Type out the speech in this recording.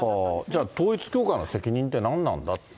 じゃあ統一教会の責任って何なんだと。